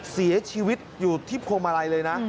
เสียชีวิตอยู่ที่พวงมาลัยเลยนะ